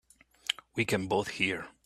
We can both hear.